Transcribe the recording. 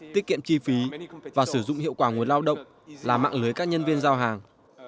tiết kiệm chi phí và sử dụng hiệu quả nguồn lao động là mạng lưới các nhân viên giao hàng